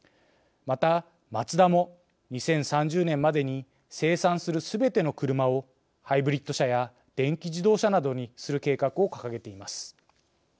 またマツダも２０３０年までに生産するすべての車をハイブリッド車や電気自動車などにする計画を掲げています。